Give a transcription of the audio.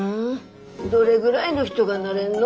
どれぐらいの人がなれんの？